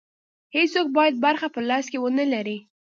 هېڅوک باید برخه په لاس کې ونه لري.